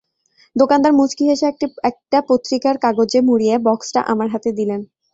দোকানদার মুচকি হেসে একটা পত্রিকার কাগজে মুড়িয়ে বক্সটা আমার হাতে দিলেন।